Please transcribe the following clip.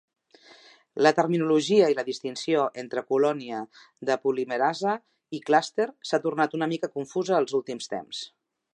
La terminologia i la distinció entre "colònia de polimerasa" i "clúster" s"ha tornat una mica confusa als últims temps.